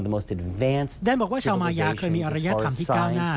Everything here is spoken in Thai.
แดนบอกว่าชาวมายาเคยมีอรยธรรมที่ก้าวหน้า